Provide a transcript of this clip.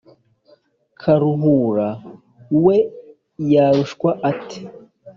Karuhura we yarushwa ate